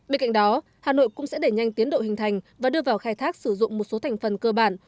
bên cạnh đó hà nội cũng sẽ đẩy nhanh tiến độ hình thành và đưa vào khai thác sử dụng một số thành phần cơ bản